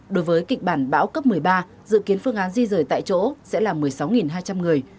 đối với kịch bản bão cấp một mươi ba dự kiến phương án di rời tại chỗ sẽ là một mươi sáu hai trăm linh người